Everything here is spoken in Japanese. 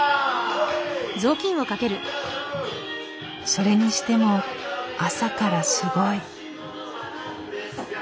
それにしても朝からすごい。